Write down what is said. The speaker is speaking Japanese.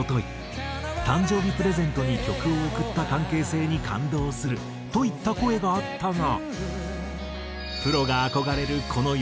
「誕生日プレゼントに曲を贈った関係性に感動する」といった声があったが。